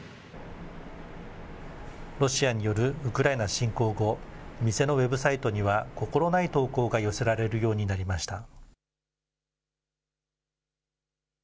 ロシアによるウクライナ侵攻後、店のウェブサイトには、心ない投稿が寄せられるようになりました。